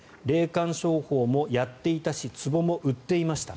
霊感商法もやっていたしつぼも売っていました。